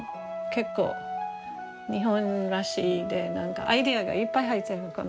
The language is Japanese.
結構日本らしいアイデアがいっぱい入ってるこの中。